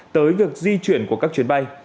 tới việc di chuyển của các chuyến bay